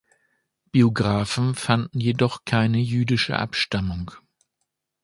Biographen fanden jedoch keine jüdische Abstammung.